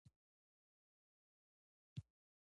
لمس کول مهم دی.